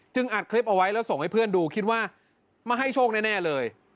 อัดคลิปเอาไว้แล้วส่งให้เพื่อนดูคิดว่ามาให้โชคแน่เลย